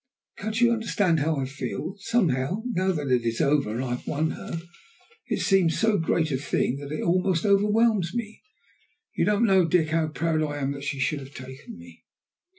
Can't you understand how I feel? Somehow now that it is over, and I have won her it seems so great a thing that it almost overwhelms me. You don't know, Dick, how proud I am that she should have taken me!"